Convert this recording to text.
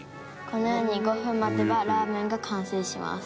「このように５分待てばラーメンが完成します」